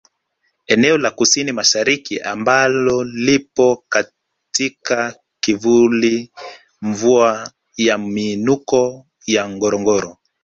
Eneo la KusiniMashariki ambalo lipo katika kivuli mvua ya miinuko ya Ngorongoro